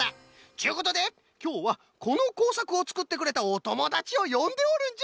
ちゅうことできょうはこのこうさくをつくってくれたおともだちをよんでおるんじゃ！